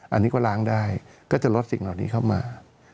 อันนี้ก็ล้างได้ก็จะลดสิ่งเหล่านี้เข้ามา